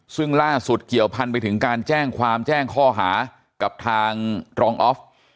ซึ่งล่าสุดเกี่ยวพันไปถึงการแจ้งความแจ้งข้อหากับทางรองออฟ